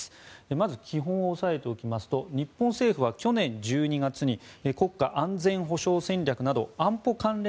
まず、基本を押さえておきますと日本政府は去年１２月に国家安全保障戦略など安保関連